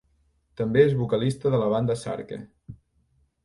També és vocalista de la banda Sarke.